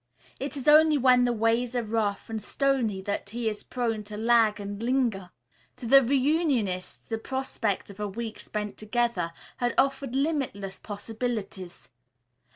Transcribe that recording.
It is only when the ways are rough and stony that he is prone to lag and linger. To the reunionists the prospect of a week spent together had offered limitless possibilities.